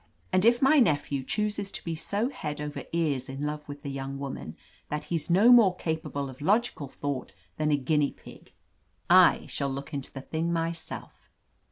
And if Vmy nephew chooses to be so head over ears 148 OF LETITIA CARBERRY in love with the young woman that he's no more capable of logical thought than a guinea pig, / shall lopk into the thing myself."